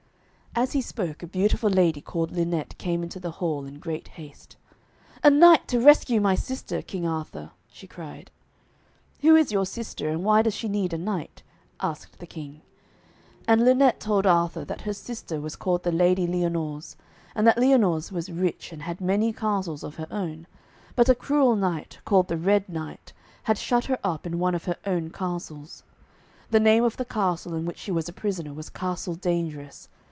As he spoke, a beautiful lady called Lynette came into the hall, in great haste. 'A knight to rescue my sister, King Arthur,' she cried. 'Who is your sister, and why does she need a knight?' asked the King. And Lynette told Arthur that her sister was called the Lady Lyonors, and that Lyonors was rich and had many castles of her own, but a cruel knight, called the Red Knight, had shut her up in one of her own castles. The name of the castle in which she was a prisoner was Castle Dangerous.